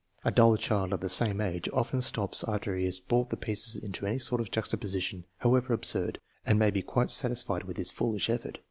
A dull child of the same age often stops after he has brought the pieces into any sort of juxtaposition, however absurd, and may be quite satisfied with his foolish effort.